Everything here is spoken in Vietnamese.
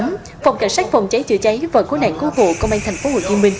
nhóm phòng cảnh sát phòng cháy chữa cháy và cố nạn cố hộ công an tp hcm